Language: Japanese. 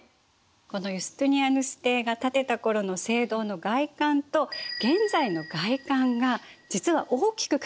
このユスティニアヌス帝が建てた頃の聖堂の外観と現在の外観が実は大きく変わってるところがあるの。